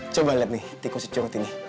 coba liat nih tikus securut ini